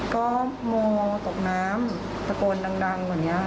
ก็โมกำลังตะโกนดังกว่านี้อะ